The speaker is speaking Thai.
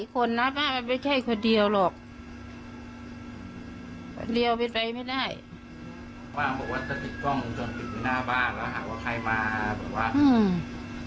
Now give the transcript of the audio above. เดิดเขาโดนทำร้ายอะไรอย่างเงี้ยเห็นว่าเขาเนี้ยไปแจ้งความเรียก